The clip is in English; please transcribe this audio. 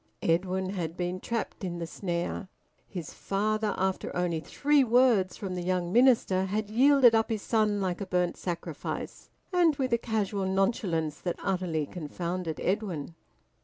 Edwin had been trapped in the snare. His father, after only three words from the young minister, had yielded up his son like a burnt sacrifice and with a casual nonchalance that utterly confounded Edwin.